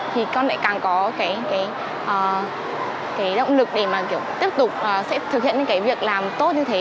thì con lại càng có cái động lực để mà kiểu tiếp tục sẽ thực hiện những cái việc làm tốt như thế